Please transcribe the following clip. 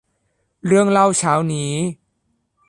เรื่องเล่าเช้านี้